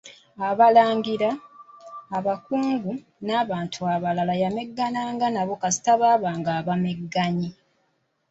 Abalangira, abakungu n'abantu abalala yameggananga nabo kasita baabanga abamegganyi.